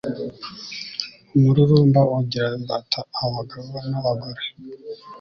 umururumba ugira imbata abagabo n'abagore